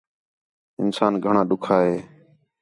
انسان گھݨاں ݙُکّھا ہے